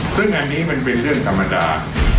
ซึ่งอันนี้มันเป็นเรื่องธรรมดา